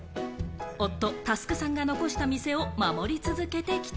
夫・祐さんが残した店を守り続けてきた。